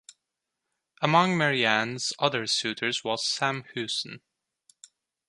Among Mary Anna's other suitors was Sam Houston.